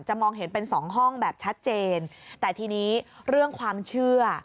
มองเห็นเป็นสองห้องแบบชัดเจนแต่ทีนี้เรื่องความเชื่อ